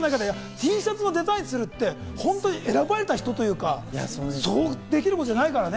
Ｔシャツのデザインするって本当に選ばれた人というか、そうできるもんじゃないからね。